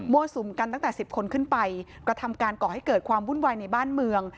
สุมกันตั้งแต่๑๐คนขึ้นไปกระทำการก่อให้เกิดความวุ่นวายในบ้านเมือง